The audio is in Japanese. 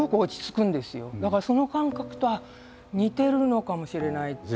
だからその感覚と似てるのかもしれないって。